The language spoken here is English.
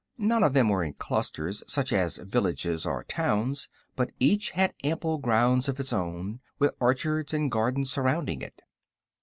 None of them were in clusters, such as villages or towns, but each had ample grounds of its own, with orchards and gardens surrounding it.